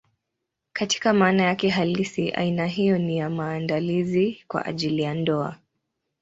Katika maana yake halisi, aina hiyo ni ya maandalizi kwa ajili ya ndoa.